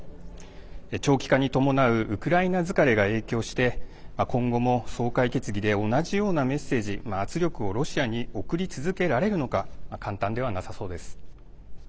長期化に伴うウクライナ疲れが影響して今後も総会決議で同じようなメッセージ、圧力をロシアに送り続けられるのか簡単ではなさそうです。